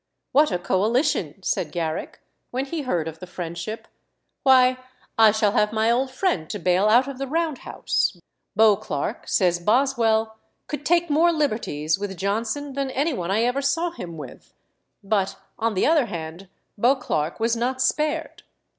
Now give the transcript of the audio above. "What a coalition!" said Garrick, when he heard of the friendship; "why, I shall have my old friend to bail out of the Round House." Beauclerk, says Boswell, "could take more liberties with Johnson than any one I ever saw him with;" but, on the other hand, Beauclerk was not spared.